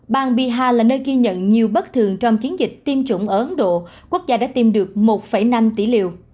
bang biha là nơi ghi nhận nhiều bất thường trong chiến dịch tiêm chủng ở ấn độ quốc gia đã tiêm được một năm tỷ liều